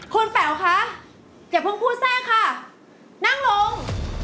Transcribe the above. คุณแป๋วคะอย่าเพิ่งพูดแทรกค่ะนั่งลง